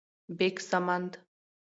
-بیک سمند: